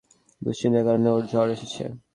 দুশ্চিন্তার কারণে ওর জ্বর এসেছে।